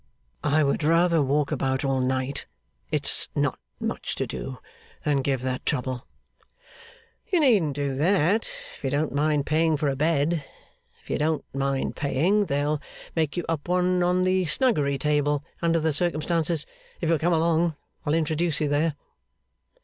'I would rather walk about all night it's not much to do than give that trouble.' 'You needn't do that, if you don't mind paying for a bed. If you don't mind paying, they'll make you up one on the Snuggery table, under the circumstances. If you'll come along, I'll introduce you there.